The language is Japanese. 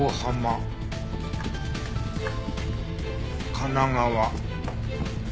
「神奈川」。